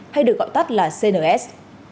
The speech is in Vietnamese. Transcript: hay được gọi tắt là cns